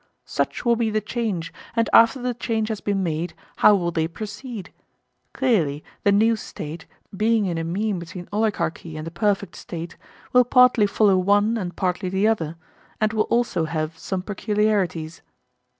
Such will be the change, and after the change has been made, how will they proceed? Clearly, the new State, being in a mean between oligarchy and the perfect State, will partly follow one and partly the other, and will also have some peculiarities.